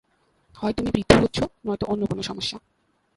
হয় তুমি বৃদ্ধ হচ্ছো নয়তো অন্য কোন সমস্যা।